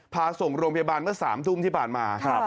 พาส่งโรงพยาบาลก็สามทุ่มที่ผ่านมาครับ